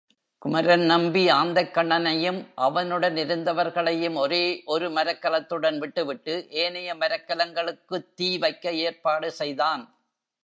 குமரன் நம்பி ஆந்தைக்கண்ணனையும், அவனுடனிருந்தவர்களையும் ஒரே ஒரு மரக்கலத்துடன் விட்டுவிட்டு ஏனைய மரக்கலங்களுக்குத் தீ வைக்க ஏற்பாடு செய்தான்.